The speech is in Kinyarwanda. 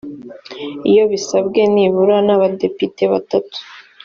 iyo bisabwe nibura n’abadepite batatu.